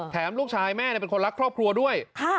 ลูกชายแม่เป็นคนรักครอบครัวด้วย